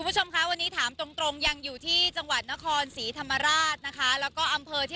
สนับสนุนโอลี่คัมบรี